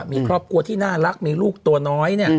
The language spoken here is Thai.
มีครอบครัวที่น่ารักมีลูกตัวน้อย